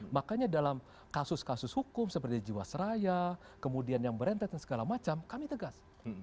makanya dalam kasus kasus hukum seperti jiwasraya kemudian yang berented dan segala macam kami tegas